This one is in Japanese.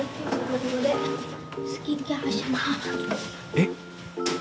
えっ！